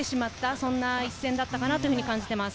そんな一戦だったと感じています。